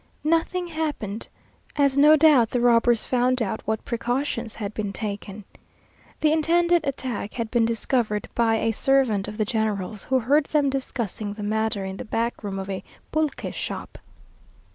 Nothing happened, as no doubt the robbers found out what precautions had been taken. The intended attack had been discovered by a servant of the general's, who heard them discussing the matter in the back room of a pulque shop.